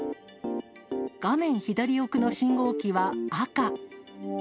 画面左奥の信号機は赤。